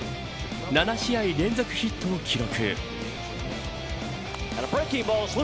７試合連続ヒットを記録。